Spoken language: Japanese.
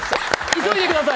急いでください。